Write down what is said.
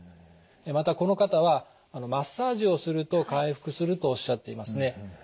またこの方はマッサージをすると回復するとおっしゃっていますね。